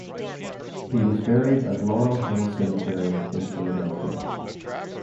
He was buried at Laurel Hill Cemetery in Philadelphia.